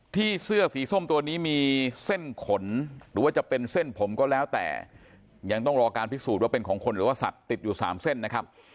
เสื้อสีส้มตัวนี้มีเส้นขนหรือว่าจะเป็นเส้นผมก็แล้วแต่ยังต้องรอการพิสูจน์ว่าเป็นของคนหรือว่าสัตว์ติดอยู่สามเส้นนะครับ